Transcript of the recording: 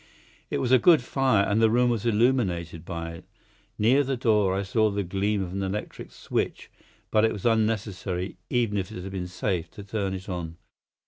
It was a good fire, and the room was illuminated by it. Near the door I saw the gleam of an electric switch, but it was unnecessary, even if it had been safe, to turn it on.